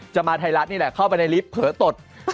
มาไทยรัฐนี่แหละเข้าไปในลิฟต์เผลอตด